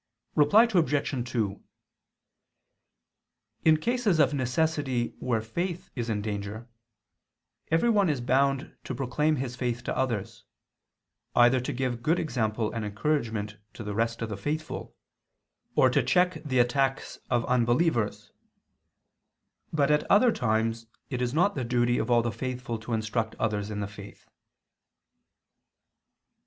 Reply Obj. 2: In cases of necessity where faith is in danger, every one is bound to proclaim his faith to others, either to give good example and encouragement to the rest of the faithful, or to check the attacks of unbelievers: but at other times it is not the duty of all the faithful to instruct others in the faith.